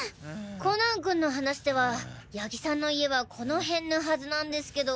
コナン君の話では谷木さんの家はこの辺のはずなんですけど。